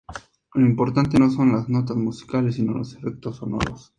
Lo importante no son las notas musicales, sino los efectos sonoros.